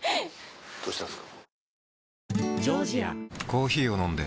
どうしたんですか？